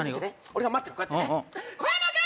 俺が待ってるこうやってねコヤマ君！